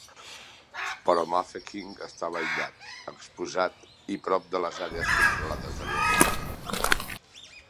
Però Mafeking estava aïllat, exposat i prop de les àrees controlades de Boer.